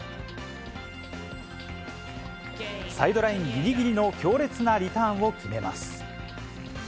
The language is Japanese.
サイドラインぎりぎりの強烈なリターンを決めます。